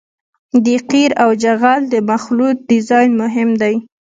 د قیر او جغل د مخلوط ډیزاین مهم دی